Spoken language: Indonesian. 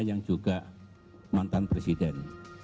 yang juga mantan presiden